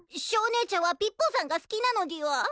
ショーねえちゃんはピッポさんが好きなのでぃは？